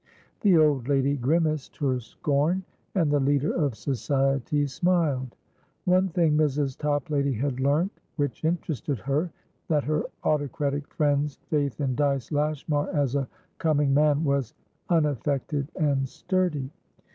The old lady grimaced her scorn, and the leader of Society smiled. One thing Mrs. Toplady had learnt which interested her, that her autocratic friend's faith in Dyce Lashmar as a "coming man" was unaffected and sturdy.